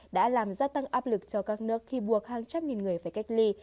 đã làm gia tăng áp lực cho các nước khi buộc hàng trăm nghìn người phải cách ly